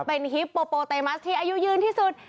เป็นฮิปโปโปเตมัสที่อายุยืนที่สุด